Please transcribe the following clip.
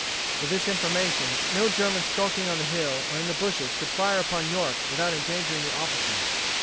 With this formation no German skulking on the hill or in the bushes could fire upon York without endangering the officers.